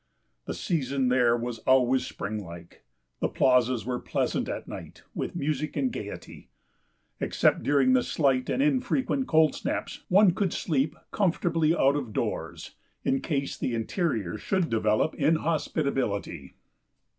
The season there was always spring like; the plazas were pleasant at night, with music and gaiety; except during the slight and infrequent cold snaps one could sleep comfortably out of doors in case the interiors should develop inhospitability.